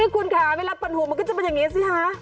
คุณค่ะเวลาปันหูมันก็จะเป็นอย่างนี้สิคะ